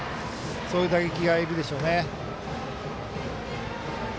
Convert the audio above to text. そういう打撃がいるでしょうね。